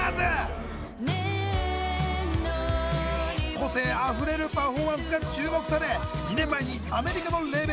個性あふれるパフォーマンスが注目され２年前にアメリカのレーベルと契約。